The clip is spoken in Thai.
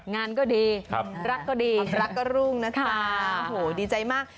งานก็ดีรักก็ดีรักก็รุ่งนะจ๊ะโอ้โหดีใจมาก